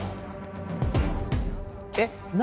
えっ何？